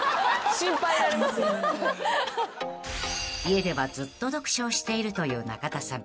［家ではずっと読書をしているという中田さん］